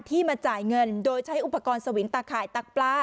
มาจ่ายเงินโดยใช้อุปกรณ์สวิงตาข่ายตักปลา